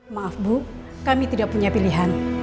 maaf bu kami tidak punya pilihan